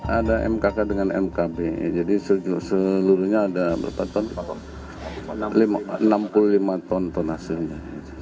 ada mkk dengan mkb jadi seluruhnya ada berapa ton enam puluh lima ton tonasenya